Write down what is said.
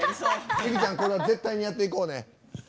いくちゃん、これは絶対にやっていこうね。